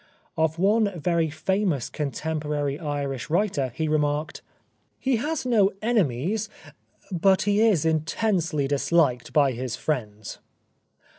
Of one very famous contemporary Irish writer he remarked : "He has no enemies, but he is intensely dishked by his friends."